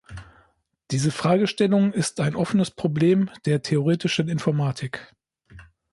Diese Fragestellung ist ein offenes Problem der theoretischen Informatik.